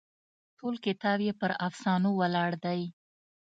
ټول کتاب یې پر افسانو ولاړ دی.